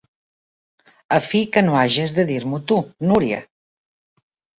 A fi que no hages de dir-m'ho tu, Núria;